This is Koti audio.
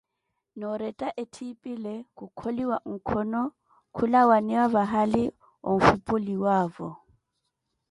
Nooretta etthipile, khukholiwa nkhono khulawaniwa vahali onfhupuliwavo.